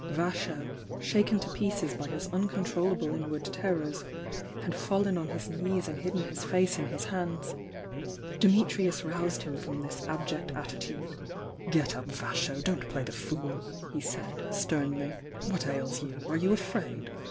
Vasho, shaken to pieces by his uncon trollable inward terrors, had fallen on his knees and hidden his face in his hands. Dimitrius roused him from this abject attitude. "Get up, Vasho! Don't play the fool!" he said, sternly. "What ails you? Are you afraid?